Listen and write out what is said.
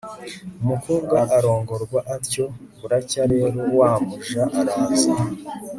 umukobwa arongorwa atyo buracya rero wa muja araza